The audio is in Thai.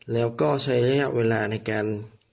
แล้วก็ใช้ระยะเวลาในการ